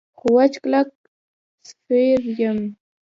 خو وچ کلک سیفور یم.